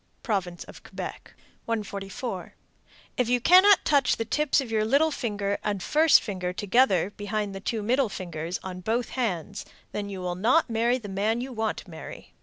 Province of Quebec. 144. If you cannot touch the tips of your little finger and first finger together behind the two middle fingers, on both hands, then you will not marry the man you want to marry.